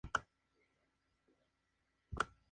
Ver Th.